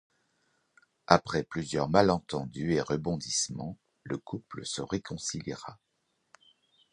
Après plusieurs malentendus et rebondissements, le couple se réconciliera.